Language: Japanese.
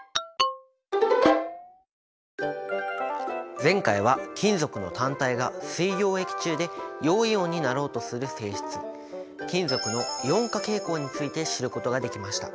前回は金属の単体が水溶液中で陽イオンになろうとする性質金属のイオン化傾向について知ることができました。